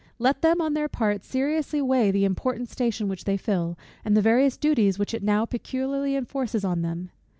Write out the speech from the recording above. Let them on their part seriously weigh the important station which they fill, and the various duties which it now peculiarly enforces on them.